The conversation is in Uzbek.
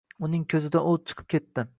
Uning ko‘zidan o‘t chiqib ketdi